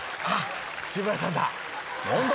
志村さんだ。